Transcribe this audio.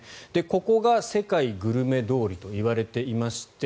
ここが世界グルメ通りといわれていまして